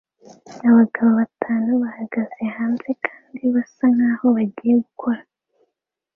Abagabo batanu bahagaze hanze kandi basa nkaho bagiye gukora